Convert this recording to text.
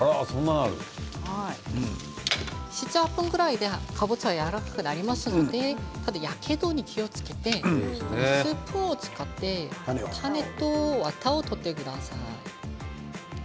７分８分で、かぼちゃはやわらかくなりますのでやけどに気をつけてスプーンを使って種とわたを取ってください。